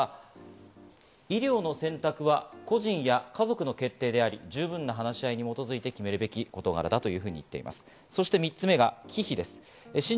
これに対して教団側は医療の選択は個人や家族の決定であり、十分な話し合いに基づいて、決めるべき事柄だと言っています。